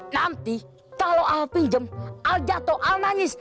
nanti kalau al pinjem al jatuh al nangis